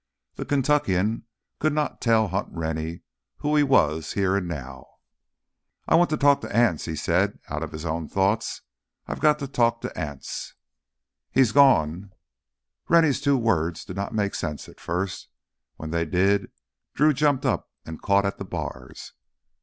The Kentuckian could not tell Hunt Rennie who he was here and now. "I want to talk to Anse," he said out of his own thoughts. "I've got to talk to Anse!" "He's gone." Rennie's two words did not make sense at first. When they did, Drew jumped up and caught at the bars.